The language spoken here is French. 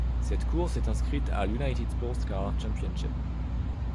Cette course est inscrite à l'United SportsCar Championship.